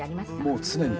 もう常に。